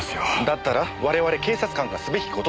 だったら我々警察官がすべき事。